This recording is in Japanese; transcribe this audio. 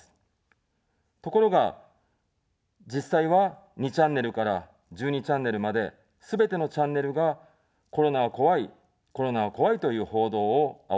ところが、実際は２チャンネルから１２チャンネルまで、すべてのチャンネルがコロナは怖い、コロナは怖いという報道をあおりました。